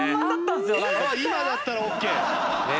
今だったらオッケー。